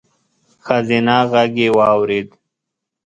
ښځينه غږ يې واورېد: